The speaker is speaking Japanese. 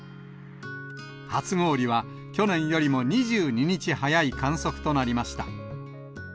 初氷は去年よりも２２日早い観測となりました。